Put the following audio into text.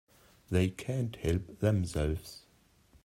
They can't help themselves.